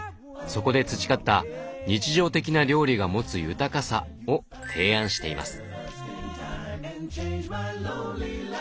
そこで培った「日常的な料理が持つ豊かさ」を提案しています。